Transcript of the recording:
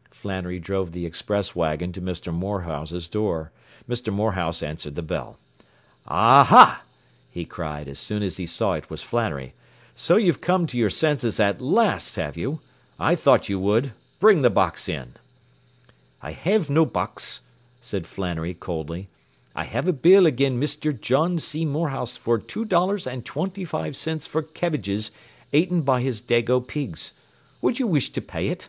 ” Flannery drove the express wagon to Mr. Morehouse's door. Mr. Morehouse answered the bell. “Ah, ha!” he cried as soon as he saw it was Flannery. “So you've come to your senses at last, have you? I thought you would! Bring the box in.” “I hev no box,” said Flannery coldly. “I hev a bill agin Misther John C. Morehouse for two dollars and twinty foive cints for kebbages aten by his dago pigs. Wud you wish to pay ut?